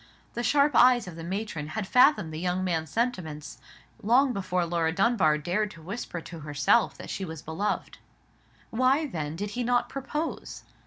The sharp eyes of the matron had fathomed the young man's sentiments long before Laura Dunbar dared to whisper to herself that she was beloved. Why, then, did he not propose?